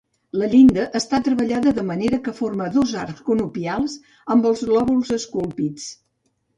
La llinda està treballada de manera que forma dos arcs conopials amb els lòbuls esculpits.